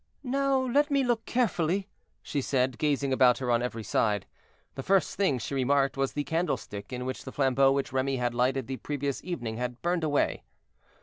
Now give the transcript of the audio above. "Now let me look carefully," she said, gazing about her on every side. The first thing she remarked was the candlestick in which the flambeau which Remy had lighted the previous evening had burned away.